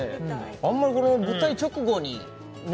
あんまりこの舞台直後にね